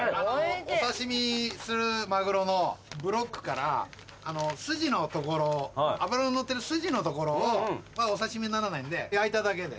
お刺し身にするマグロのブロックから脂の乗ってる筋のところをお刺し身にならないんで焼いただけで。